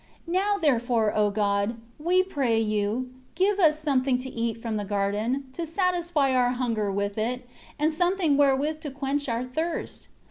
18 Now, therefore, O God, we pray you, give us something to eat from the garden, to satisfy our hunger with it; and something wherewith to quench our thirst.